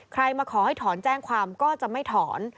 มาขอให้ถอนแจ้งความก็จะไม่ถอน